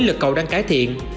lực cầu đang cải thiện